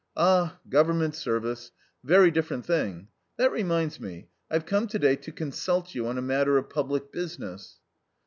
"Ah, Government service. A very different thing. That reminds me; I've come to day to consult you on a matter of public business."